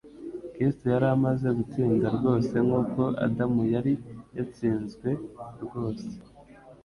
Kristo yari amaze gutsinda rwose nk'uko Adamu yari yatsinzwe rwose.